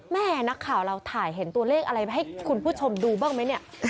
แม่นักข่าวเราถ่ายเห็นตัวเลขอะไรให้คุณผู้ชมดูบ้างไหมเนี่ย